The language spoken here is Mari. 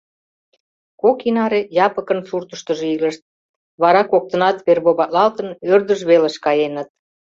Кок ий наре Япыкын суртыштыжо илышт, вара коктынат вербоватлалтын, ӧрдыж велыш каеныт.